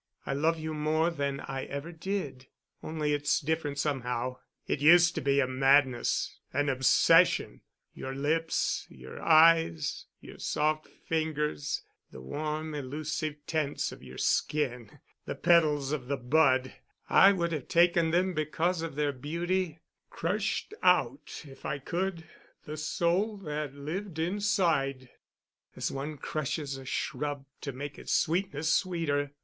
I love you more now than I ever did—only it's different somehow.... It used to be a madness—an obsession.... Your lips, your eyes, your soft fingers, the warm elusive tints of your skin—the petals of the bud—I would have taken them because of their beauty, crushed out, if I could, the soul that lived inside, as one crushes a shrub to make its sweetness sweeter."